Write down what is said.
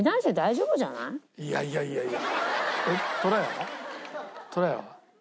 いやいやいやいや。